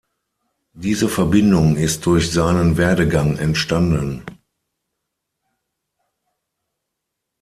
Diese Verbindung ist durch seinen Werdegang entstanden.